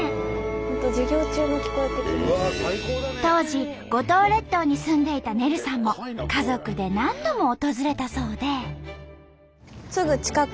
当時五島列島に住んでいたねるさんも家族で何度も訪れたそうで。